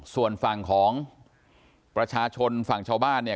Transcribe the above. ส่วนฝั่งของประชาชนฝั่งชาวบ้านเนี่ย